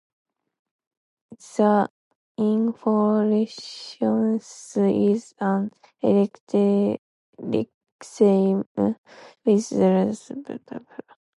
The inflorescence is an erect raceme with star-shaped white flowers.